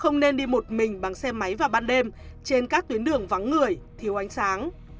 không nên đi một mình bằng xe máy vào ban đêm trên các tuyến đường vắng người thiếu ánh sáng